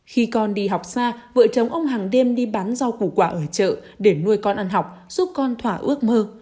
khi con đi học xa vợ chồng ông hàng đêm đi bán rau củ quả ở chợ để nuôi con ăn học giúp con thỏa ước mơ